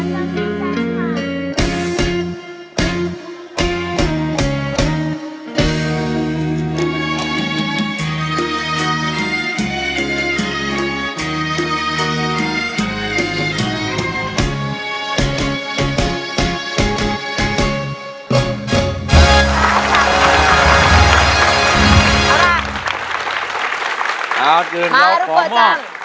มาลูกโกจัง